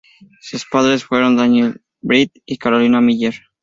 Sus padres fueron Daniel McBride y Carolina Miller.